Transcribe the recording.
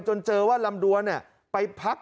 จนเจอว่าลำดวนไปพัก